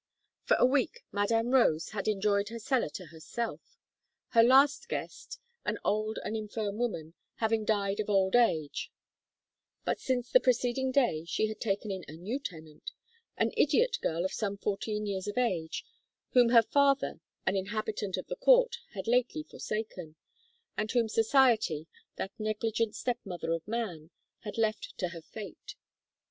For a week, Madame Rose had enjoyed her cellar to herself; her last guest, an old and infirm woman, having died of old age; but, since the preceding day, she had taken in a new tenant an idiot girl, of some fourteen years of age, whom her father, an inhabitant of the court, had lately forsaken, and whom society, that negligent step mother of man, had left to her fate.